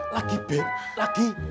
lagi beb lagi